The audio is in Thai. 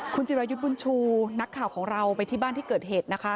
คุณจิรายุทธ์บุญชูนักข่าวของเราไปที่บ้านที่เกิดเหตุนะคะ